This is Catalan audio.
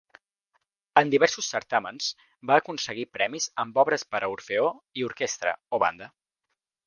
En diversos certàmens va aconseguir premis amb obres per a orfeó i orquestra o banda.